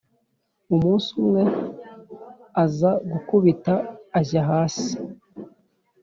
umunsi umwe aza gukubita ajya hasi